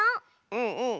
うんうん！